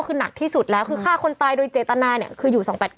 คือหนักที่สุดแล้วคือฆ่าคนตายโดยเจตนาเนี่ยคืออยู่๒๘๙